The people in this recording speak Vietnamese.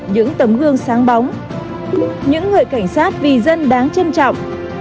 cảm ơn các em